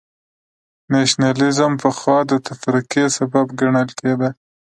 نېشنلېزم پخوا د تفرقې سبب ګڼل کېده.